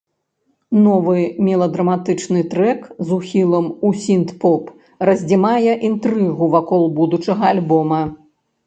Новы меладраматычны трэк з ухілам у сінт-поп раздзімае інтрыгу вакол будучага альбома.